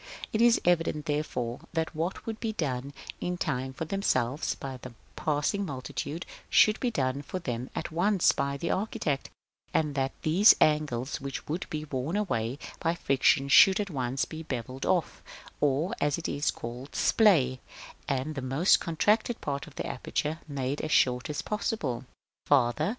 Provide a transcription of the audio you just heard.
It is evident, therefore, that what would be done in time, for themselves, by the passing multitude, should be done for them at once by the architect; and that these angles, which would be worn away by friction, should at once be bevelled off, or, as it is called, splayed, and the most contracted part of the aperture made as short as possible, so that the plan of the entrance should become as at a, Fig. XLIII. § V. Farther.